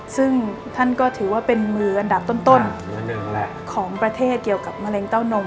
ซึ่งท่านก็ถือว่าเป็นมืออันดับต้นของประเทศเกี่ยวกับมะเร็งเต้านม